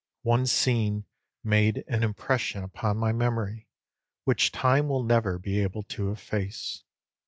One scene made an impression upon my memory which time will never be able to efface.